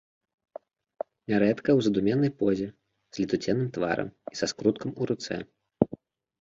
Нярэдка ў задуменнай позе, з летуценным тварам і са скруткам у руцэ.